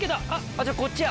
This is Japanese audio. じゃあこっちや。